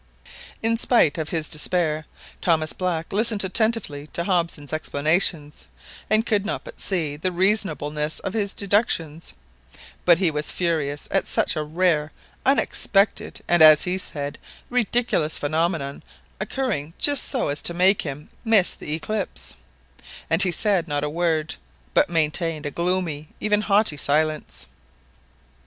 In spite of his despair, Thomas Black listened attentively to Hobson's explanations, and could not but see the reasonableness of his deductions, but he was furious at such a rare, unexpected, and, as he said, "ridiculous" phenomenon occurring just so as to make him miss the eclipse, and he said not a word, but maintained a gloomy, even haughty silence.